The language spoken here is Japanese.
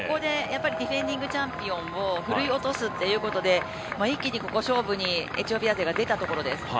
ディフェンディングチャンピオンをふるい落とすということで一気にここを勝負にエチオピア勢が出たところです。